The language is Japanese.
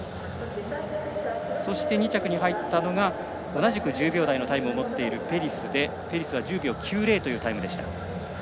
２着に入ったのが同じく１０秒台のタイムを持っているペリスは１０秒９０というタイム。